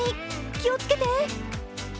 気をつけて！